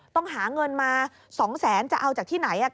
ต้องหาเงินมา๒แสนจะเอาจากที่ไหน